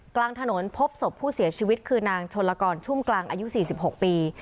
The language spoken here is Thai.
กลางถนนพบศพผู้เสียชีวิตคือนางชนละกรชุ่มกลางอายุ๔๖ปี